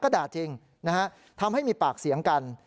ก็ด่าจริงทำให้มีปากเสียงกัน